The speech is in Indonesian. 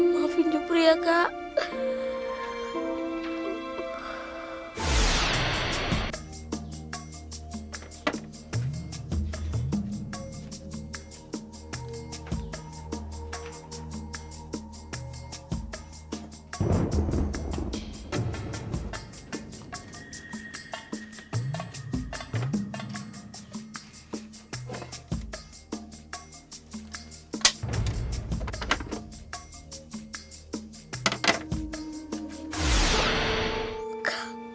maafin jepri ya kak